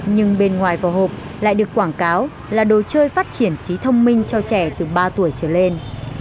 nhưng bên ngoài vào hộp lại được quảng cáo là đồ chơi phát triển trí thông minh cho trẻ từ ba tuổi trở lên